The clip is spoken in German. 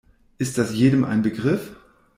Ist das jedem ein Begriff?